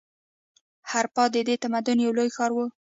هراپا د دې تمدن یو لوی ښار و.